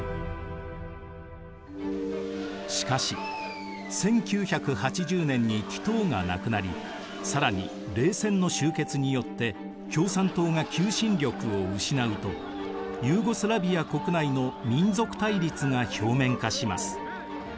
しかし１９８０年にティトーが亡くなりさらに冷戦の終結によって共産党が求心力を失うとユーゴスラヴィア国内の民族対立が表面化します。